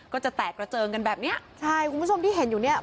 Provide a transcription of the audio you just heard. ก็จะแตกกระเจิงกันแบบเนี้ยใช่คุณผู้ชมที่เห็นอยู่เนี่ย